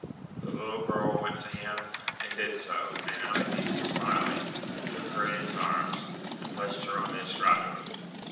The littie girl went to him, and did so ; and Amadis, smiling, took her in his arms, and placed her on the estrado.